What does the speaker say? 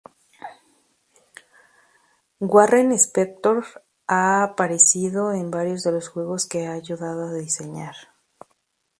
Warren Spector ha aparecido en varios de los juegos que ha ayudado a diseñar.